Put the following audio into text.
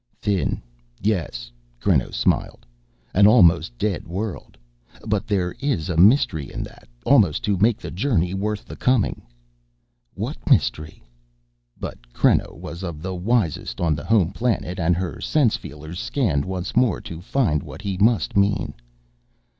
"Thin, yes," Creno smiled. "An almost dead world. But there is a mystery in that almost to make the journey worth the coming." "What mystery?" But Creno was of the wisest on the home planet and her sense feelers scanned once more to find what he must mean.